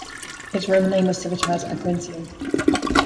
Its Roman name was "Civitas Aquensium".